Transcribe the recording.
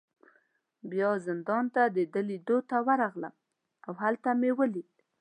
بیا زندان ته د ده لیدو ته ورغلم، او هلته مې ولید.